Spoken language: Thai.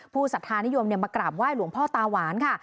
ศรัทธานิยมมากราบไห้หลวงพ่อตาหวานค่ะ